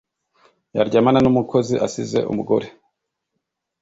yaryamana n'umukozi asize umugore